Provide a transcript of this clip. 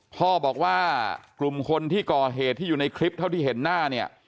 พ่อบอกว่ากลุ่มคนที่ก่อเหตุที่อยู่ในคลิปเท่าที่เห็นหน้าเนี่ย